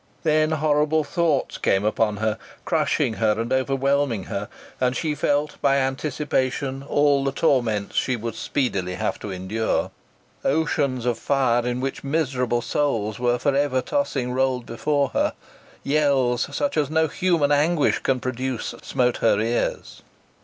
Then horrible thoughts came upon her, crushing her and overwhelming her, and she felt by anticipation all the torments she would speedily have to endure. Oceans of fire, in which miserable souls were for ever tossing, rolled before her. Yells, such as no human anguish can produce, smote her ears.